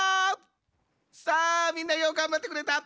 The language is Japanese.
さあみんなようがんばってくれた。